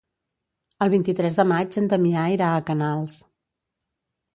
El vint-i-tres de maig en Damià irà a Canals.